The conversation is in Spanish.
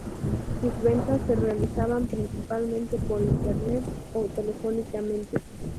Sus ventas se realizaban principalmente por internet o telefónicamente.